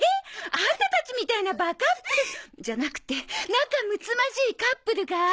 アンタたちみたいなバカップルじゃなくて仲むつまじいカップルが？